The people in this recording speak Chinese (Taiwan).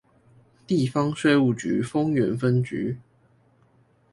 地方稅務局豐原分局